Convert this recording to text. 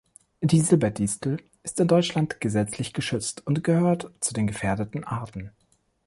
Die Silberdistel ist in Deutschland gesetzlich geschützt und gehört zu den gefährdeten Arten.